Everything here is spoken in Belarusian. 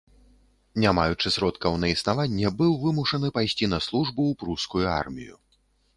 Не маючы сродкаў на існаванне, быў вымушаны пайсці на службу ў прускую армію.